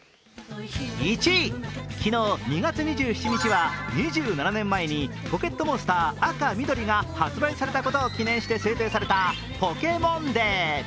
昨日２月２７日は２７年前に「ポケットモンスター赤・緑」が発売されたことを記念して制定された制定されたＰｏｋｅｍｏｎＤａｙ。